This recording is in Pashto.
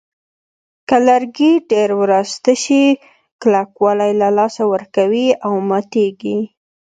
که لرګي ډېر وراسته شي کلکوالی له لاسه ورکوي او ماتېږي.